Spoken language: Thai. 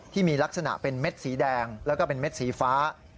ที่มีลักษณะเป็นเม็ดสีแดงแล้วก็เป็นเม็ดสีฟ้า